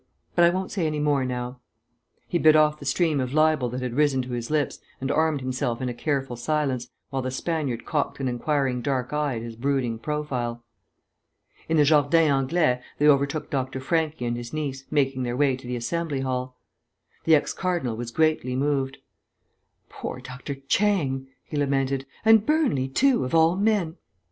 But I won't say any more now." He bit off the stream of libel that had risen to his lips and armed himself in a careful silence, while the Spaniard cocked an inquiring dark eye at his brooding profile. In the Jardin Anglais they overtook Dr. Franchi and his niece, making their way to the Assembly Hall. The ex cardinal was greatly moved. "Poor Dr. Chang," he lamented, "and Burnley too, of all men!